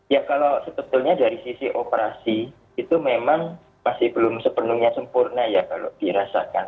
ya kalau sebetulnya dari sisi operasi itu memang masih belum sepenuhnya sempurna ya kalau dirasakan